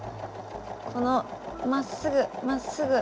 このまっすぐまっすぐ。